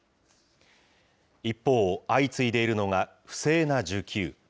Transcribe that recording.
一方、相次いでいるのが不正な受給。